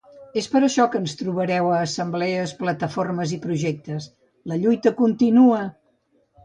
És per això que ens trobareu a assemblees, plataformes i projectes: la lluita continua!